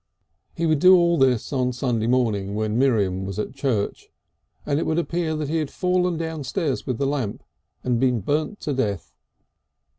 He would do all this on Sunday evening while Miriam was at church, and it would appear that he had fallen downstairs with the lamp, and been burnt to death.